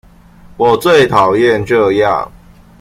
我最討厭這樣